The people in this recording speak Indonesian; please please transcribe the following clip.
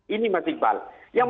ini masih balik